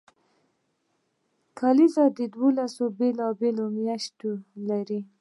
کلیزه دولس بیلې بیلې میاشتې لري.